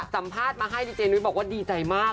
สัมภาษณ์มาให้ดีเจนุ้ยบอกว่าดีใจมาก